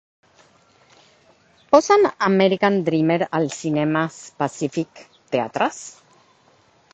Posen "American Dreamer" al cinemes Pacific Theatres?